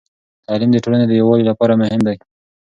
تعليم د ټولنې د يووالي لپاره مهم دی.